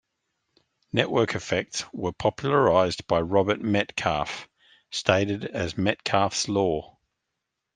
Network effects were popularized by Robert Metcalfe, stated as Metcalfe's law.